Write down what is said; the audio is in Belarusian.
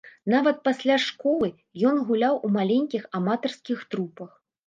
Нават пасля школы ён гуляў у маленькіх аматарскіх трупах.